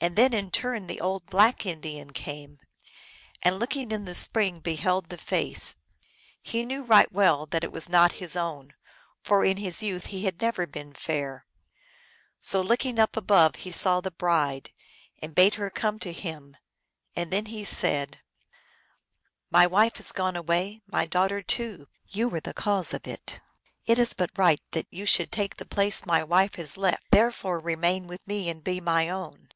And then in turn the old black Indian came, and looking in the spring beheld the face. He knew right 318 THE ALGONQUIN LEGENDS. well that it was not his own, for in his youth he never had been fair. So looking up above he saw the bride, and bade her come to him ; and then he said, " My wife has gone away ; my daughter, too. You were the cause of it ; it is but right that you should take the place my wife has left. Therefore remain with me and be my own."